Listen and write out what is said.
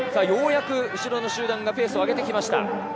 ようやく後ろの集団がペースを上げてきました。